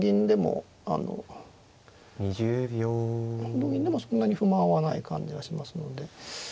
同銀でもそんなに不満はない感じがしますので。